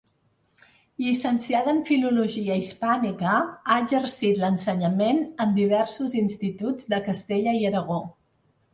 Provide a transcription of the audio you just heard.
Llicenciada en Filologia Hispànica, ha exercit l'ensenyament en diversos instituts de Castella i Aragó.